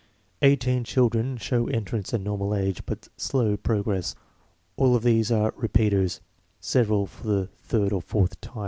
"Eighteen children show entrance at normal age, but slow progress. All of these are repeaters, several for the third or fourth time.